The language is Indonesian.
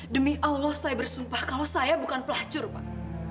demi allah saya bersumpah kalau saya bukan pelacur pak